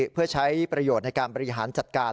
เพื่อใช้ประโยชน์ในการบริหารจัดการ